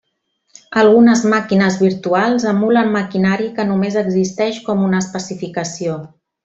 Algunes màquines virtuals emulen maquinari que només existeix com una especificació.